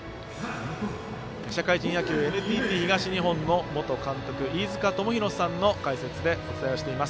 社会人野球ＮＴＴ東日本の元監督、飯塚智広さんの解説でお伝えしています。